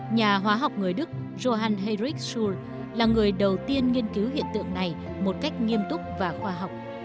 nhà hóa học người đức johann heinrich schull là người đầu tiên nghiên cứu hiện tượng này một cách nghiêm túc và khoa học